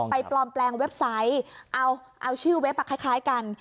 ปลอมแปลงเว็บไซต์เอาชื่อเว็บคล้ายกัน